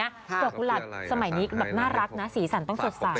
ดอกกุหลาบสมัยนี้แบบน่ารักนะสีสันต้องสดใส